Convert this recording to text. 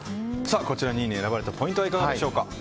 こちら２位に選ばれたポイントはいかがですか？